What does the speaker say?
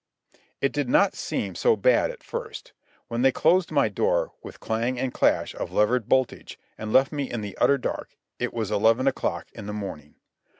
It did not seem so bad at first. When they closed my door, with clang and clash of levered boltage, and left me in the utter dark, it was eleven o'clock in the morning.